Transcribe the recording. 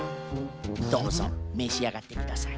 どうぞめしあがってください。